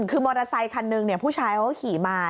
คือมอเตอร์ไซคันหนึ่งผู้ชายเขาก็ขี่มา